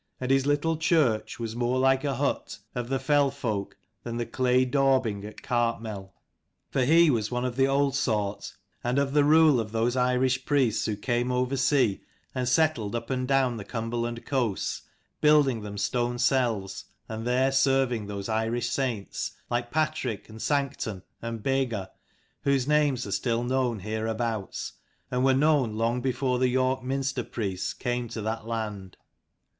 And his little church was more like a 258 hut of the fell folk than the clay daubing at Cartmel ; for he was one of the old sort, and of the rule of those Irish priests who came over sea and settled up and down the Cumberland coasts, building them stone cells, and there serving those Irish saints, like Patrick and Sanctan and Bega, whose names are still known hereabouts, and were known long before the York Minster priests came to that land.